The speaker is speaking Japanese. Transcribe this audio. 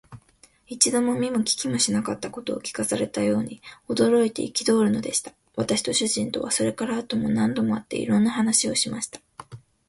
一度も見も聞きもしなかったことを聞かされたように、驚いて憤るのでした。私と主人とは、それから後も何度も会って、いろんな話をしました。